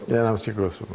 berarti enam siklus itu